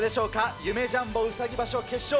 夢・ジャンボうさぎ場所決勝。